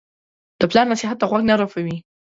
د پلار نصیحت ته غوږ نه رپوي.